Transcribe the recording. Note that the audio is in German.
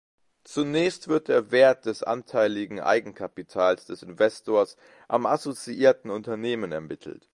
Zunächst wird der Wert des anteiligen Eigenkapitals des Investors am assoziierten Unternehmen ermittelt.